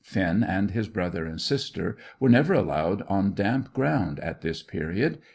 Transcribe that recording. Finn and his brother and sisters were never allowed on damp ground at this period.